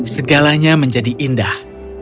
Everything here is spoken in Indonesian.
segalanya menjadi indah